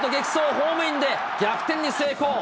ホームインで、逆転に成功。